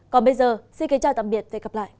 còn bây giờ xin kính chào và tạm biệt